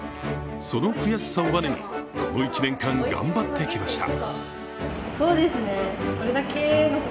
その悔しさをばねにこの１年間頑張ってきました。